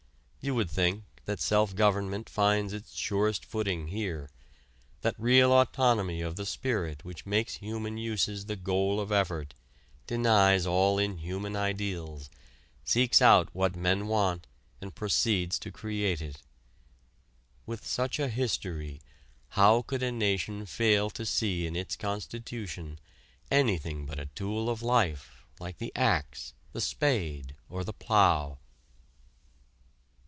You would think that self government finds its surest footing here that real autonomy of the spirit which makes human uses the goal of effort, denies all inhuman ideals, seeks out what men want, and proceeds to create it. With such a history how could a nation fail to see in its constitution anything but a tool of life, like the axe, the spade or the plough?